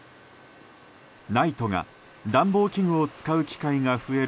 ＮＩＴＥが暖房器具を使う機会が増える